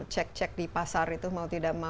cek cek di pasar itu mau tidak mau